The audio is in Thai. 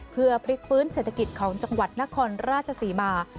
เพื่อพลิกฟื้นเศรษฐกิจของจังหวัดนครราชศรีมา